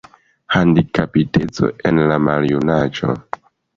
Handikapiteco en la maljunaĝo.